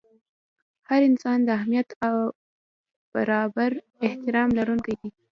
هر انسان د اهمیت او برابر احترام لرونکی دی.